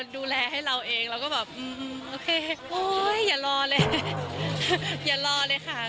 ดูแลให้เราเองเราก็แบบโอเคโอ๊ยอย่ารอเลยอย่ารอเลยค่ะ